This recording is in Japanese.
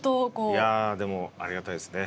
いやでもありがたいですね。